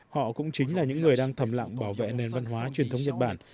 họ cũng chính là những người đang thầm lặng bảo vệ nền văn hóa truyền thống nhật bản